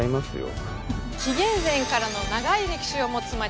紀元前からの長い歴史を持つ街